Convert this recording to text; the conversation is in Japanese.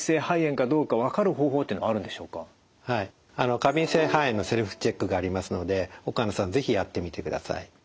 過敏性肺炎のセルフチェックがありますので岡野さん是非やってみてください。